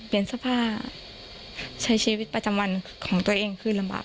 เสื้อผ้าใช้ชีวิตประจำวันของตัวเองคือลำบาก